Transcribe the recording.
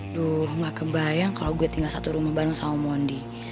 aduh gak kebayang kalau gue tinggal satu rumah bareng sama mondi